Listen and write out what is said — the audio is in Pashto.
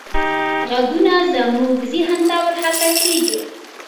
غږونه زموږ ذهن ته ورخطا کېږي.